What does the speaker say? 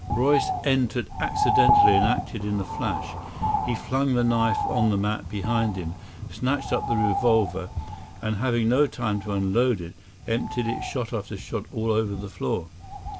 Royce entered accidentally and acted in a flash. He flung the knife on the mat behind him, snatched up the revolver, and having no time to unload it, emptied it shot after shot all over the floor.